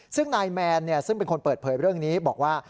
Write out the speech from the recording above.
ซึ่งนายแมนซึ่งเป็นคนเปิดเผยเรื่องนี้บอกว่า